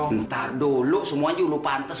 entar dulu semuanya dulu pantes